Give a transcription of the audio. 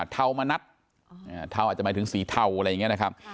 เทามณัฐเทาอาจจะหมายถึงสีเทาอะไรอย่างนี้นะครับ